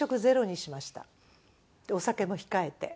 でお酒も控えて。